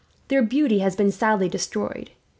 Their beauty has been sadly destroyed.